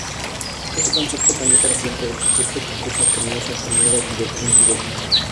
Ese concierto cambió para siempre el concepto que Rafa tenía de actuar en directo.